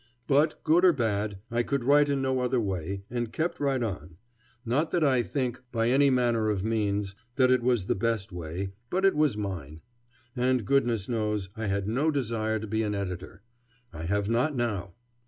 But, good or bad, I could write in no other way, and kept right on. Not that I think, by any manners of means, that it was the best way, but it was mine. And goodness knows I had no desire to be an editor. I have not now.